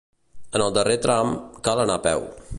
En el darrer tram, cal anar a peu.